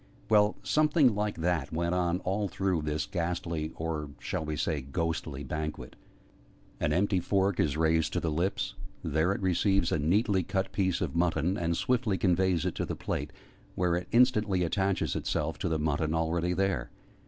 Well, something like that went on all through this ghastly or shall we say 'ghostly'? banquet. An empty fork is raised to the lips: there it receives a neatly cut piece of mutton, and swiftly conveys it to the plate, where it instantly attaches itself to the mutton already there.